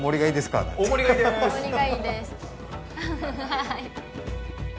はい。